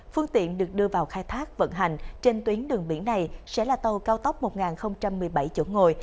phương tiện được đưa vào khai thác vận hành trên tuyến đường biển này sẽ là tàu cao tốc một nghìn một mươi bảy chỗ ngồi